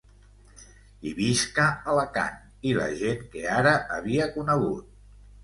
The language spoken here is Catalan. I visca Alacant i la gent que ara havia conegut!